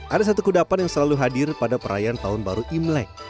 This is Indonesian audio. ada satu kudapan yang selalu hadir pada perayaan tahun baru imlek